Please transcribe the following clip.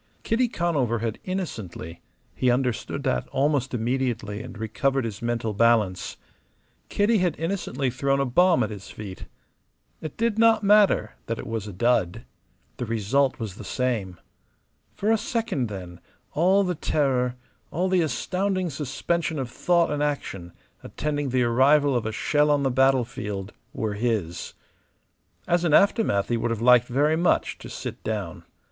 Kitty Conover had innocently he understood that almost immediately and recovered his mental balance Kitty had innocently thrown a bomb at his feet. It did not matter that it was a dud. The result was the same. For a second, then, all the terror, all the astounding suspension of thought and action attending the arrival of a shell on the battlefield were his. As an aftermath he would have liked very much to sit down.